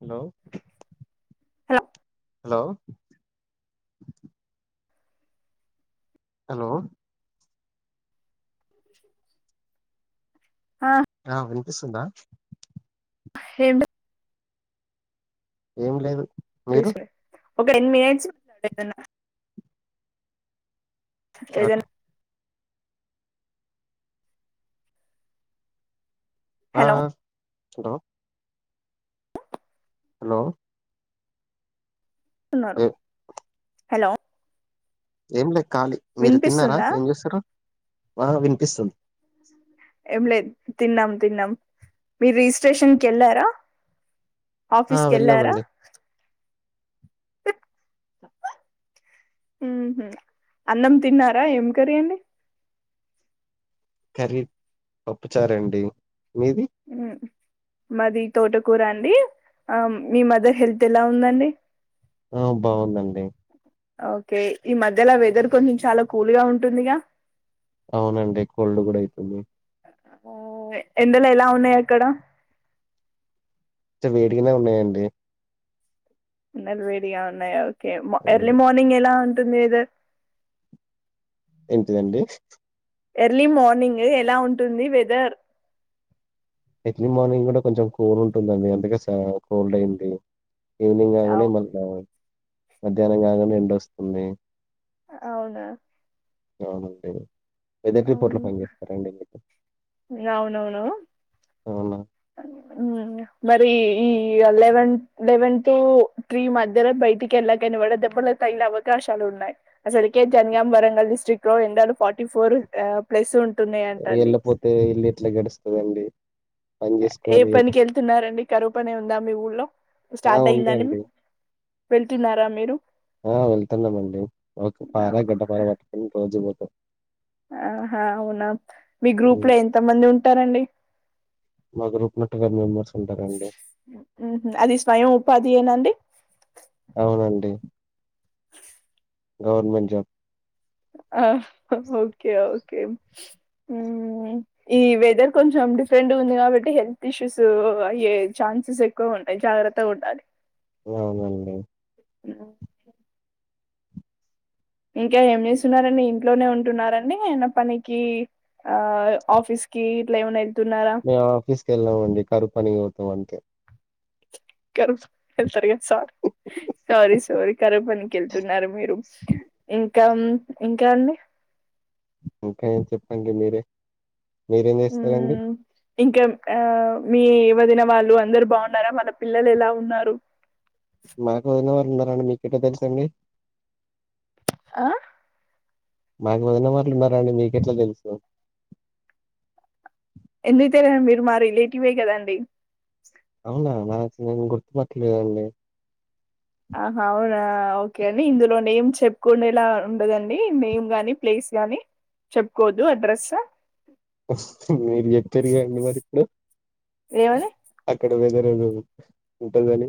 Hello hello hello hello ఆ ఉ సుందా ఏ ఏమి లేదు మీరు బజే ఒక ఎన్ మినిట్స్ అడేదన్న ఓకే ఏదనా ఆ హలో హలో హలో న్నారు ఏ- హలో ఏం లే ఖాళీ మీరు తిన్నారా వినిపిస్తుందా ఏం జేస్సరు వినిపిస్తుంది ఏం లేదు తిన్నాం తిన్నాం మీరు రిజిస్ట్రేషన్కి వెళ్ళారా ఆ ఆఫీస్కిళ్ళార వెళ్ళామండి ఊహు అన్నం తిన్నారా ఏం కర్రీయంండి కర్రీ పప్పుచారంండి ఉ మది తోటకూర అండి ఆ మీ మదర్ హెల్త్ ఎలా ఉందండి ఆ బాగుందండి ఓకే ఈ మధ్యలో వెదర్ కొంచెం చాలా కూల్ గా ఉంటుందిగా అవునండి కోల్డ్ కూడా అయితుంది ఆ ఎండలు ఎలా ఉన్నాయి అక్కడ తె వేడిగానే ఉన్నాయండి న్నలు వేడిగా ఉన్నాయా కే మొ ఆ, ఎర్లీ మార్నింగ్ ఎలా ఉన్ టుందీదే ఏంటిదండి ఎర్లీ మార్నింగు ఎలా ఉంటుంది వెదర్ ఎర్లీ మార్నింగ్ కూడా కొంచెం కూల్ ఉంటుందండి అందుకే స కోల్డ్ అయ్యింది ఈవనింగ్ కాంగానే అవు మళ్ళ మధ్యాహ్నం కాంగానే ఎండొస్తుంది అవునా ఏం అనిపీదు వెదర్ రిపోర్ట్ లో పనిచేస్తారా అండి మీరు నవునవును అవునా మరి ఈ అ లెవెన్ లెవెన్త్ త్రీ మధ్యలో బయటికెళ్ళకండి వడ దెబ్బల తగిలే అవకాశాలు ఉన్నాయి అసలుకే జన్గాం వరంగల్ డిస్ట్రైక్ట్ లో ఎండలు ఫార్టీ ఫోర్ ఆ ప్లస్ ఉ వెళ్ళపోతే ఇల్లెట్లా గడుస్తుదండి ఏ పనికి వెళ్తున్నారండి కరువుపనే ఉందా మీ ఊళ్ళో ఆ స్టార్ట్ ఉంది అయిందాని అండి వెళ్తున్నారా మీరు ఆ వెళ్తున్నామండి ఒక పార గడ్డపార పట్టుకుని రోజు పోతాం ఆహా అవునా మీ గ్రూప్ హ్మ్. లో ఎంత మంది ఉంటారండి మా గ్రూప్ లో ట్వెల్వ్ మెంబర్స్ ఉంటారండి ఊహూ అది స్వయం ఉపాధి యేనా అండి అవునండి గవర్నమెంట్ జాబ్ ఆ ఓకే ఓకే హ్మ్ ఈ వెదర్ కొంచెం డిఫరెంట్గా ఉంది కాబట్టి హెల్త్ ఇష్యూస్ అయ్యే ఛాన్సెస్ ఎక్కువ ఉంటాయి జాగ్రత్తగా ఉండాలి అవునండి ఇంకా ఏం చేస్తున్నారండి ఇంట్లోనే ఉంటున్నారండి ఏమైనా పనికి ఆ ఆఫీస్ కి ఇట్లా ఏమనా మేము ఆఫీస్కి వెళ్ళం అండి కరువు పనికి తం అంతే కరువుపని వెళ్తారు కదా సార సారీ సారీ కరువుపనికి వెళ్తున్నారు మీరు ఇంక ఇంకా అండి ఇంకా ఏం చెప్పండి మీరే మీరేం చేస్తారండి హ్మ్. ఇంకా ఆ మీ వదిన వాళ్ళు అందరు బాగున్నారా మన పిల్లలు ఎలా ఉన్నారు మనకు వదిన వా ఎన్నార మీకుట తెలుసండి ఆ మాకు వదిన వార్లు ఉన్నారాని మీకెట్లా తెలుసు ఎందుకు తెల్వదు మీరు మా రిలేటివ్ కదండి అవునా నాకు నేను గుర్తుపట్టలేదండి ఆ అవునా ఓకే అండి ఇందులో నేమ్ చెప్పుకుండేలా ఉండదండి నేమ్ గాని ప్లేస్ గాని చెప్పుకోదు అడ్రస్ మీరు చెప్తారు గా అండి మరి హ ఏమని వేదర [inaudible]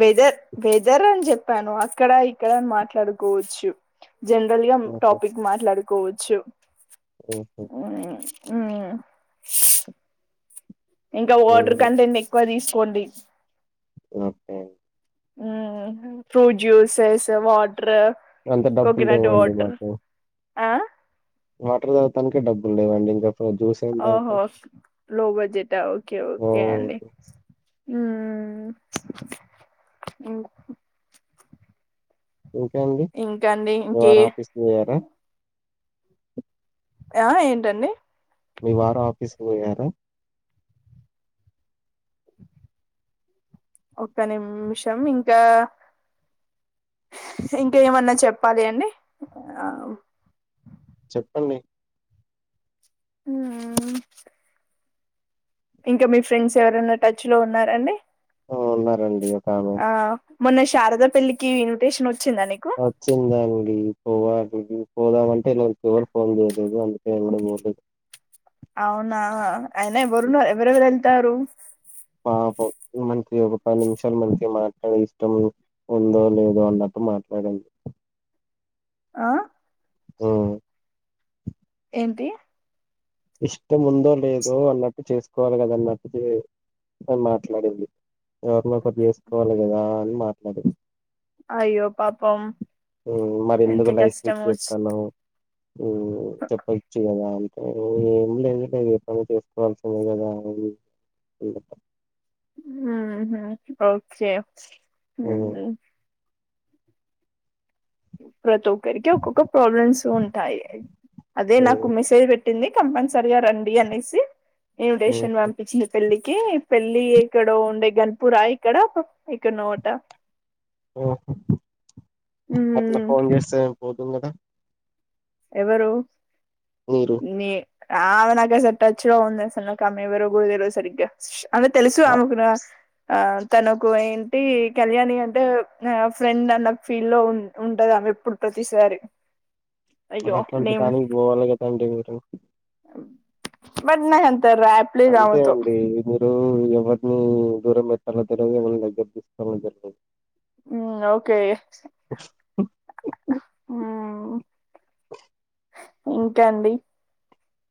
వెేదర్ వేదర్ అం చెప్ చెప్పాను అక్కడ ఇక్కడ అని మాట్లాడుకోవచ్చు జనరల్ గా ఆ! టాపిక్ మాట్లాడు కోవచ్చు ఓహో! ఉమ్ ఆ ఇంకా వాటర్ ఏమో కంటెంట్ ఎక్కువ తీసు పోండి ఓకే ఫ్రూట్ జ్యూసెస్ వా వాట అంత డబ్బులు కోకనట్ లేవండి వాటర్ మాకు. ఆ వాటర్ తాగడానికి డబ్బులు లేవండి ఇంకా ఇప్పుడు జ్యూస్ ఏం ఓహో తాగుతాం. లో బజెట్ ఓకే ఓకే ఓహ్! అండి హ్మ్ ఇంకా అండి ఇంకా అండి మీ ఇంకే వారు ఆఫీస్ కి పోయారా ఆ ఏంటండి మీ వార ఆఫీసుకి పోయారా ఒక నిమిషం ఇంకా ఇంకా ఏమన్నా చెప్పాలి అండి ఆ చెప్పండి ఆ ఇంకా మీ ఫ్రెండ్స్ ఎవరైన్నా టచ్ లో ఉన్నారండి ఉన్నారండి ఒకామె. ఆ మొన్న శారదా పెళ్లికి ఇన్విటేషన్ వచ్చ వచ్చిందాండి పోవాలి పోదామంటే నాకు ఎవరు ఫోన్ చేయలేదు అందుకే నేను కూడా పోలేదు అవునా అయినా ఎవరు ఉనారు ఎవరెవ తరూ పాపం మనకి ఒక పది నిమిషాలు మనకి మాట్లాడే ఇష్టం ఉందో లేదో అన్నట్టు మాట్లాడింద్ ఆ ఓ ఏంటి ఇష్టం ఉందో లేదో అన్నట్టు చేసుకోవాలి కదన్నట్టు మాట్లాడింది ఎవరినో ఒకరిని చేసుకోవాలి కదా అ మాట్లాడింది అయ్యో పాపం మరి ఎంత ఎందుకు లైఫ్ కష్టం వీక్ వచ్ చెస్తాన్నవ్ చెప్పద్ చేయదామ్ ఇందులే ఎందుంటే అది పని చేసుకోవాల్సిందె కదా అ ఓకే ఉమ్, మ్ ప్రతి ఒక్కరికి ఒక్కొక్క ప్రాబ్లమ్స్ ఉంటాయి అదే నాకు ఉమ్, మెసేజ్ పెట్ ఇంది కంపల్సరిగా రండి అనేసి ఉమ్, ఇన్విటేషన్ పంపించింది పెళ్లిక్ కీ పెళ్ళి ఇక్కడ ఉండే గన్పూరా ఇక్కడ ఎక్కడ నోట ఓహొ అట్లా మ్మ్ ఫోన్ చేస్తే పోతుంది కదా ఎవరూ మీరు నే ఆమె నాక్ అసల్ టచ్ లో ఉంద అసల్ నాకామె ఎవరో గుడ తెల్వద్ సరిగ్గ అమె తెలిసు అ- ఆమకు నా ఆ తనకు ఏంటి కళ్యాణి అంటే ఫ్రెండ్ అన్న ఫీల్ లో ఉ ఉంటదామె ఎప్పుడు ప్రతిసారి అలా అయ్యో అట్లాంటి నేమ్ దానికి పోవాలి కదాండి మీరు బట్ నగంత్ రాప్లీ రావ తొ ఇప్పుడూ ఎవరినీ దూరం పెట్టాలో తెల్వదు ఎవరిని దగ్గర తీసుకోల తెల్వద్ ఓకే ఇంక అండి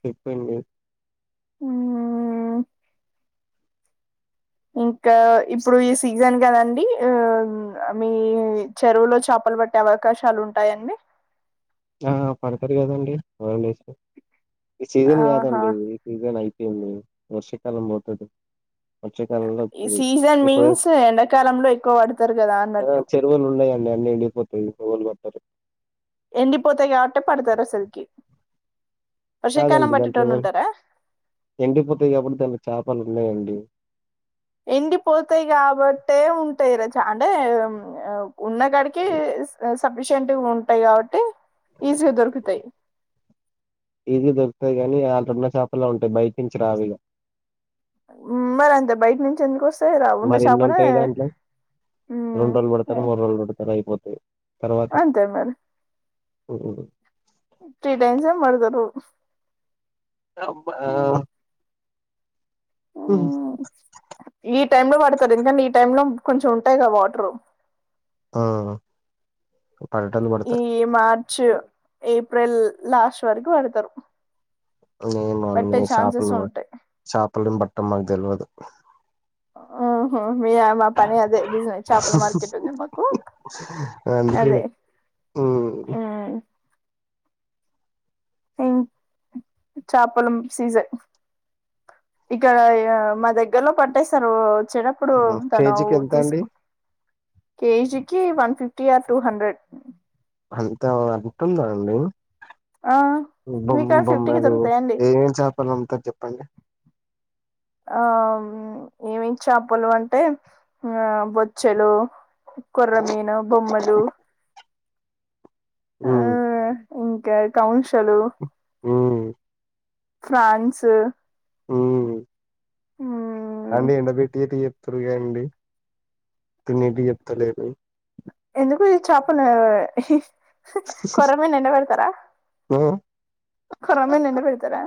చెప్పండి మ్ ఇంకా ఇప్పుడు ఈ సీజన్ కదండి మీ చెరువులో చాపల్ పట్టే అవకాశాలు ఉంటాయంండి ఆ పడతారు గదండి వలలేస్ ఈ సీజన్ ఆహా! కాదండి ఈ సీజన్ అయి ఏమోనా వర్షాకాలం పోతాది ఈ సీజన్ మీన్స్ ఎండాకాలంలో ఎక్కువ పడతారు కదా అన్నట్టు ఇంట్లో వాళ్లు కొట్టారు ఎండిపోతాయి కాబట్టే పడతారు అసలుకి కాదండి దాంట్లో ఎండిపోతాయి కాబట్టి దాంట్లో చేపలు ఉన్నాయండి ఎండిపోతాయి కాబట్టే ఉంటాయి రచ అంటే [unintelligible] ఉన్న కాడికి స స సఫిషియెంట్‌గా ఉంటాయి కాబట్టి ఈజీగా దొరుకుతాయి కానీ అల్ కణ చేపల్లో ఉంటాయి బయట్నుంచి రావిగా ఉమ్ మరి అంతే బయట నుంచి ఎందుకు వస్త మరి ఎన్ని ఉంటాయి దాంట్లో రెండు రోజులు పడతారు మూడు రోజులు పడతారు అయిపోత అంతే మరి ఓ త్రీ టైమ్స్ ఏమో పడతారు టబ్ ఆ ఉమ్ ఏ టైమ్ లో పడతారు ఎందుకంటే ఈ టైంలో కొంచెం ఉంటాయి కదా వాటర్ ఆ పడేటోళ్ళు పడతారు ఈ మార్చు ఏప్రిల్ లాస్ట్ వరకు పడతారు మేము పట్టే మి ఛాన్సెస్ షాపులు ఉంటాయి షాపులం బట్టం మాకు తెలియదు ఆ మీ మా పని అదే బిజినెస్ చేపల మార్కెట్ ఉంది మాకు అందుకే అదే మ్ ఉం ఇం చేపలం సీజన్ ఇక్కడ మా దగ్గరలో పట్టేస్తారు వచ్చేదప్పుడు తను కేజీకి ఎంత తీస అండి కేజీకి one fifty or two hundred అంతే అంటుందా అండి ఆ బొమ్ మీకాడ ఫిఫ్టీకి బొమ్మలు దొరుకుతాయండి ఏం ఏం చేపలు వండుతారు చెప్పండి ఆ ఎమ్ ఎమ్ చేపలు అంటే ఆ బొచ్చలు కొరెమినా బొమ్మలు ఆ ఉమ్ ఇంకా కౌంషలు ఉమ్ ఫ్రాన్స్ అ మ్మ్ అంటీ అంట పెీటి తరుగా అండి తినేటి చెప్పుతలెరు చపలే కొరమీను ఎండ్బడతారా ఆ కోరమేను ఎండ పెడతారా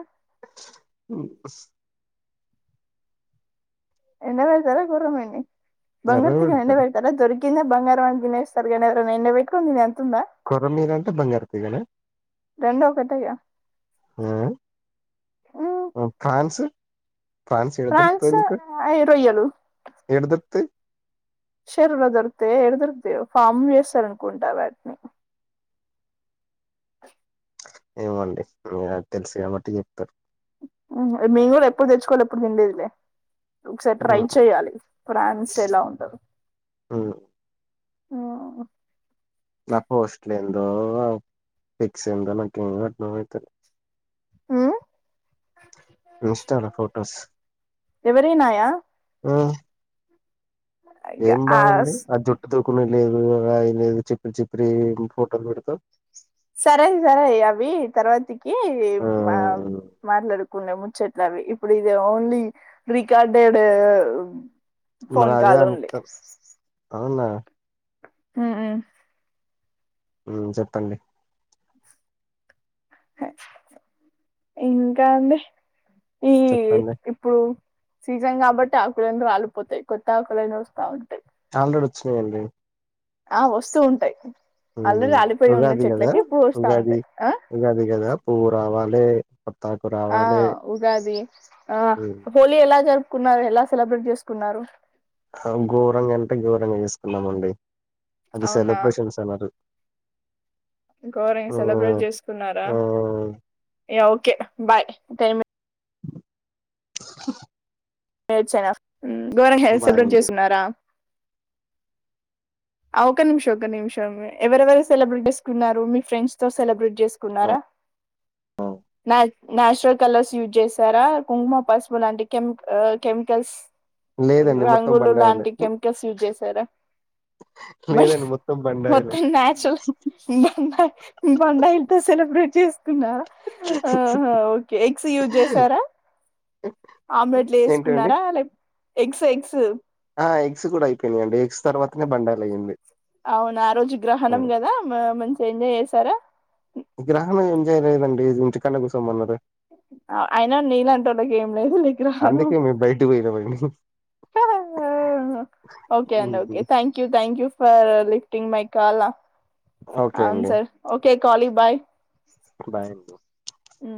ఎన్న వయసారా గురమణి ఎర్ర బంగర్తిగా ఎండ పెడతారు పెడతారా దొరికి ఇంద బంగారుారంంది తినేస్తారు కానీ ఎండా బెట్టుకొని అ కొర మీనుఅంటే బంగారుతీగా నా రెండు ఒకటేగా మ్మ్ ఫ్రాన్స్ ఫ్రాన్స్ యెడ దొరుకుతాయి మీకు అయి రొయ్యలు యెడ దొరుకుతాయి చెరువు లో దొరుకుతాయి యెడ దొరుకుతాయి ఫామ్ లో వేస్తరూఅనుకుంటా వాట్ని అ [unintelligible] ఏమండి మీ తెలుసు కాబట్టి చెప్ప్పారు మేము కూడా ఎప్పుడు తెచ్చుకోవాలి ఎప్పుడు తినలేదు లే ఒకసారి ట్రై ఉమ్ చెయ్యాలి ఫ్రాన్స్ ఎలా ఉంటదు ఉమ్. ఆ నా పోస్ట్లీందో ఫిక్స్ందో నాకేం అర్థమైతలేదు ఆ ఇన్స్ట లో ఫోటోస్ ఎవరినాయా ఇగ ఏం ఆ బాగుంది ఆ జుట్టు తూకునే లేదు అ చిప్పిన చిప్ప్రి ఫోటోలు పెడతాం సరే సరే అవి తర్వాతికి ఆ మ్మ్ మాట్లాడుకున్నా ముచ్చట్ ఇప్పుడు ఇది ఓన్లీ రికార్టెడ్ మరి అదే అనుకుాం అవునా [inaudible] ఆ ఉ చెప్పండి ఇంకా అండి ఈ చెప్పండి ఇప్పుడు సీజన్ కాబట్టి ఆకులందు ఆాలిపోతాయి కొత్త ఆకులన్న వస్తా ఉంటాయి ఆల్రెడీ వచ్చినాయండి ఆ వస్తూ ఉంటాయి ఆల్రెడీ రాలిపోయి ఉన్న ఉగాది కదా చెట్లకి ఇప్పుడు వస్తా ఉగాది ఉంటాయి ఆ ఉగాది కదా పూ రావాలే కొత్తాకు ఆ రావాలే ఉగాది ఆ హోలీ ఎలా జరు కున్నారు ఎలా సెలబ్రేట్ చేసుకున్నారు ఘోరంగా అంటే ఘోరంగా చేసుకున్నామండి అది అవునా సెలబ్రేషన్స్ అనరు ఘోరంగా సెలబ్రేట్ చేసుకున్నారా మ్మ్ యా ఓకే బాయ్ టైం ఏచ్చనా ఉమ్ గఘోర హెల్ సెలబ్రేట్ బాయండి చేస్తున్నారా ఆ ఒక నిమిషం ఒక నిమిషం ఎవరెవరు సెలబ్రేట్ చేసుకున్నారు మీ ఫ్రెండ్స్ తో సెలబ్రేట్ చేసుకున్నారా మ్యా నాచురల్ కలర్స్ యూజ్ చేసారా కుంకుమ పసుపుల్లాంటి కెమ్ ఆ కెమికల్స్ లేదండి మొత్తం రంగులు బండాయిలే లాంటి కెమికల్స్ యూజ్ చేసారా బట్ లేదండి మొత్తం బండాయిలే మొత్తం నాచురల్ బ బం బండాయి త సెలబ్రేట్ చేసుకున్నారా ఉహు ఓకే ఎక్స్ యూస్ చేసారా ఆమ్ లే ఏంటండి ఏసుకున్నారా లేక్ ఎగ్స్ ఎగ్స్ ఆ ఎగ్స్ కూడా అయిపోయినాయండి ఎగ్స్ తర్వాతనే బండాయిల్ అయ్యంది అవును ఆ రోజు గ్రహణం కదా మంచి ఏంజ చేసారా గ్రహం ఏం చేయలేదండి ఇంటి కళ కోసంమన్నారు అయినా నీళ్ళ అంట వాళ్కి ఏం అందుకే మేము బయటకు పోయినామండి ఒకే అండిఓకేయాం ఫ లిఫ్టింగ్ మై కాల ఓకే అవును సార్ ఒకే కాలబాయ బయడి అ